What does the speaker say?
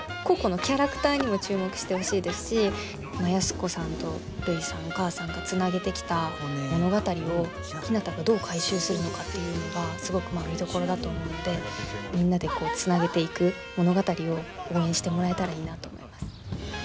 個々のキャラクターにも注目してほしいですし安子さんとるいさんお母さんがつなげてきた物語をひなたがどう回収するのかっていうのがすごく見どころだと思うのでみんなでつなげていく物語を応援してもらえたらいいなと思います。